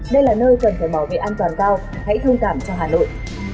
đây là nơi cần phải bảo vệ an toàn cao hãy thông cảm cho hà nội